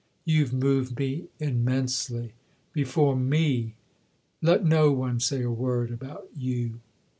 " You've moved me immensely. Before me let no one say a word about you